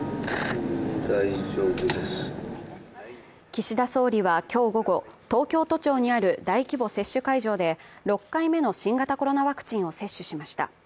岸田総理は今日午後、東京都庁にある大規模接種会場で６回目の新型コロナワクチンを接種しました。